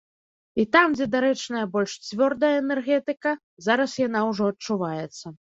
І там, дзе дарэчная больш цвёрдая энергетыка, зараз яна ўжо адчуваецца.